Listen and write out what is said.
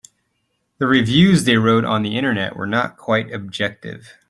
The reviews they wrote on the Internet were not quite objective.